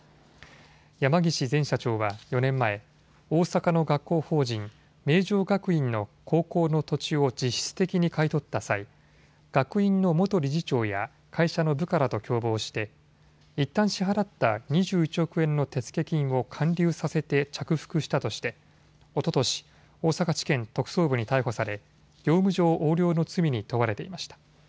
山岸前社長は４年前、大阪の学校法人、明浄学院の高校の土地を実質的に買い取った際、学院の元理事長や会社の部下らと共謀していったん支払った２１億円の手付金を還流させて着服したとしておととし、大阪地検特捜部に逮捕され業務上横領の罪に問われていました。